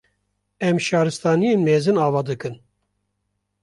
Em Şaristaniyên mezin ava dikin